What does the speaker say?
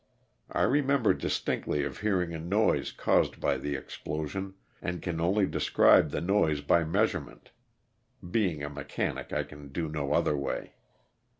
I remember distinctly of hearing a noise caused by the explosion, and can only describe the noise by measure ment (being a mechanic I can do no other way).